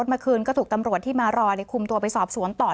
แต่เบียร์รออยู่แล้วเพราะว่าเบียร์ไม่ไปไหนหรอก